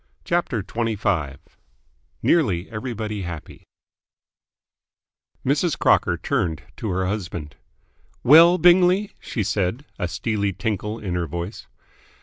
CHAPTER XXV NEARLY EVERYBODY HAPPY Mrs. Crocker turned to her husband. "Well, Bingley?" she said, a steely tinkle in her voice.